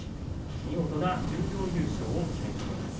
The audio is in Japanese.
見事な十両優勝を決めています。